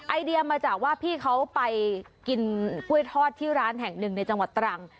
ไอเดียมาจากว่าพี่เขาไปกินกล้วยทอดที่ร้านแห่งหนึ่งในจังหวัดตรัง